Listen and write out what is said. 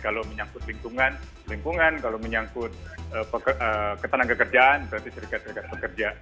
kalau menyangkut lingkungan kalau menyangkut ketenang kekerjaan berarti serikat serikat pekerja